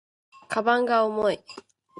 鞄が重い